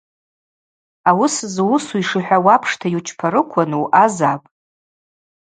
Ауыс зуысу йшихӏвауа апшта йучпарыквын уъазапӏ.